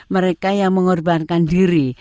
mereka yang mengorbankan diri